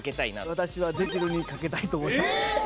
私は「できる」に賭けたいと思います。